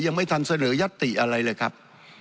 ยังไม่ทันเสนอยัตติอะไรเลยครับ